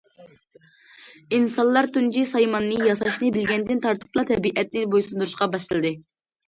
ئىنسانلار تۇنجى سايماننى ياساشنى بىلگەندىن تارتىپلا، تەبىئەتنى بويسۇندۇرۇشقا باشلىدى.